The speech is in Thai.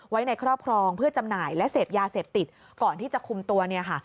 ไว้ในครอบครองเพื่อจำหน่ายและเสพยาเสพติดก่อนที่จะคุมตัวเนี่ยค่ะ